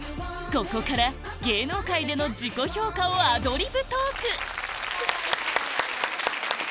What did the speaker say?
ここから芸能界での自己評価をアドリブトーク